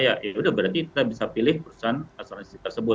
ya udah berarti kita bisa pilih perusahaan asuransi tersebut